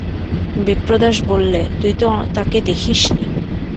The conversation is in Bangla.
বিপ্রদাস বললে, তুই তো তাঁকে দেখিস নি।